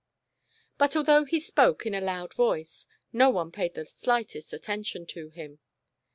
But although he spoke in a loud voice, no one paid the slightest attention to him.